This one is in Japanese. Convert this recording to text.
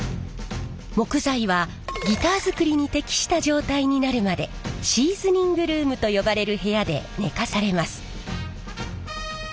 木材はギター作りに適した状態になるまでシーズニングルームと呼ばれる部屋で寝かされます。